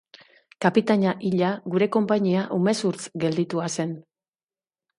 Kapitaina hila, gure konpainia umezurtz gelditua zen.